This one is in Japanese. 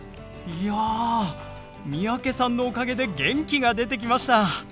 いや三宅さんのおかげで元気が出てきました！